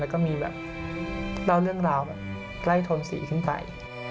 แล้วก็มีแบบเล่าเรื่องราวแบบใกล้โทนสีขึ้นไป